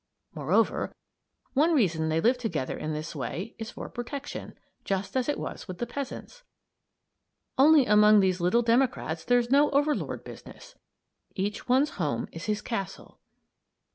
Moreover, one reason they live together in this way is for protection just as it was with the peasants only among these little democrats there's no overlord business; each one's home is his castle.